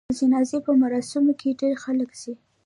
د جنازې په مراسمو کې ډېر خلک ځي.